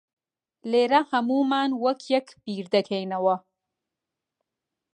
لێرە ھەموومان وەک یەک بیردەکەینەوە.